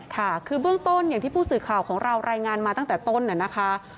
ค่ะคือเบื้องต้นอย่างที่ผู้สื่อข่าวของเรารายงานมาตั้งแต่ต้นนะคะ